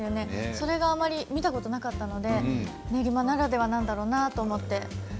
それがあまり見たことなかったので練馬ならでは何だろうなと思って。